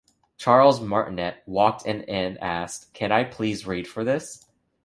Charles Martinet walked in and asked, "Can I please read for this?".